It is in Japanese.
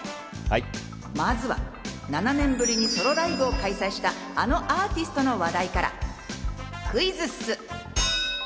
まずは７年ぶりにソロライブを開催した、あのアーティストの話題からクイズッス！